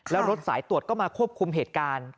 แล้วรถสายตรวจก็มาควบคุมเหตุการณ์